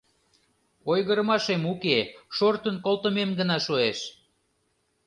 — Ойгырымашем уке, шортын колтымем гына шуэш.